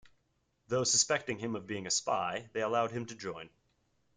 Though suspecting him of being a spy, they allow him to join.